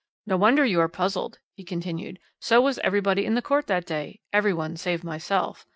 "No wonder you are puzzled," he continued, "so was everybody in the court that day, every one save myself.